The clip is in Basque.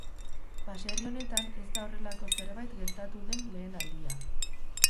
Baserri horretan ez da horrelako zerbait gertatu den lehen aldia.